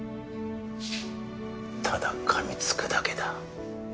ただかみつくだけだ。